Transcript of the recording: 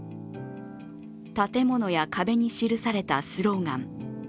建物や壁に記されたスローガン。